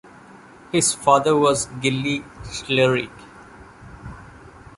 His father was Gille Chlerig.